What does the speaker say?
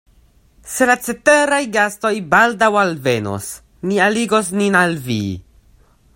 Se la ceteraj gastoj baldaŭ alvenos, ni aligos nin al vi.